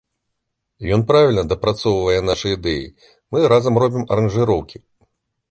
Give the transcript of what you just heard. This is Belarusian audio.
Ён правільна дапрацоўвае нашы ідэі, мы разам робім аранжыроўкі.